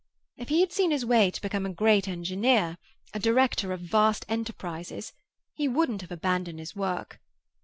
If he had seen his way to become a great engineer, a director of vast enterprises, he wouldn't have abandoned his work.